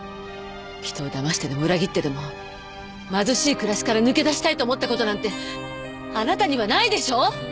人をだましてでも裏切ってでも貧しい暮らしから抜け出したいと思ったことなんてあなたにはないでしょう？